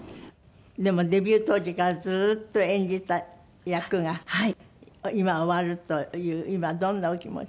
でもデビュー当時からずーっと演じた役が今終わるという今どんなお気持ち？